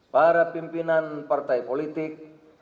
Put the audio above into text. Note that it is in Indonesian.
para pimpinan partai politik